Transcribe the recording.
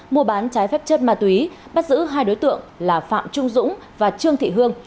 mua bán trái phép chất ma túy bắt giữ hai đối tượng là phạm trung dũng và trương thị hương